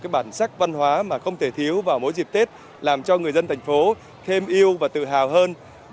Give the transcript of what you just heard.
bản sắc văn hóa mà không thể thiếu vào mỗi dịp tết làm cho người dân thành phố thêm yêu và tự hào hơn